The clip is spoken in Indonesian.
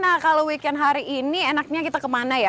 nah kalau weekend hari ini enaknya kita kemana ya